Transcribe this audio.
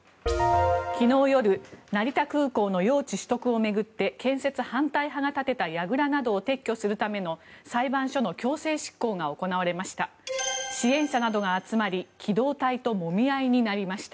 昨日夜成田空港の用地取得を巡って建設反対派が建てたやぐらなどを撤去するための裁判所の強制執行が行われました。